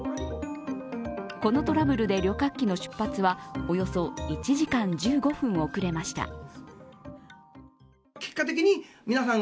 このトラブルで旅客機の出発はおよそ１時間１５分遅れました。